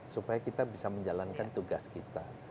supaya kita bisa menjalankan tugas kita